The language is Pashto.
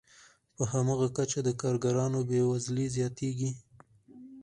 په هماغه کچه د کارګرانو بې وزلي زیاتېږي